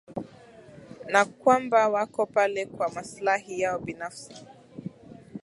na kwamba wako pale kwa maslahi yao binafsi